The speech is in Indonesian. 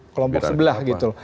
kelompok sebelah gitu